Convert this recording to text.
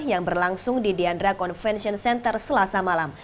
yang berlangsung di diandra convention center selasa malam